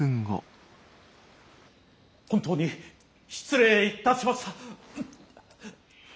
本当に失礼いたしましたッ！